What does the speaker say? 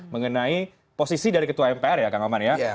mengenai posisi dari ketua mpr ya kang maman ya